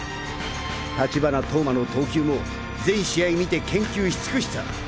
立花投馬の投球も全試合観て研究しつくした。